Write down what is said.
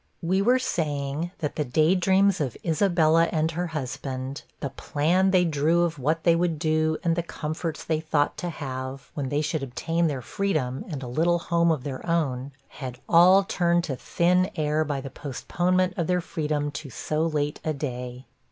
We were saying that the day dreams of Isabella and her husband the plan they drew of what they would do, and the comforts they thought to have, when they should obtain their freedom, and a little home of their own had all turned to 'thin air,' by the postponement of their freedom to so late a day.